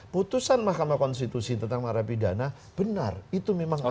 putusan mahkamah konstitusi tentang marah pidana benar itu memang ada